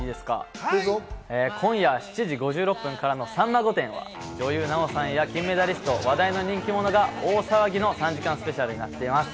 今夜７時５６分からの『さんま御殿！！』は女優・奈緒さんや金メダリスト、話題の人気者が大騒ぎの３時間スペシャルです。